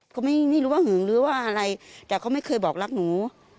ก็ไม่รู้ว่าหึงหรือว่าอะไรแต่เขาไม่เคยบอกรักหนู